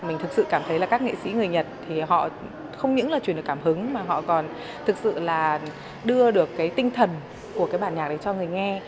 mình thực sự cảm thấy là các nghệ sĩ người nhật thì họ không những là truyền được cảm hứng mà họ còn thực sự là đưa được cái tinh thần của cái bản nhạc này cho người nghe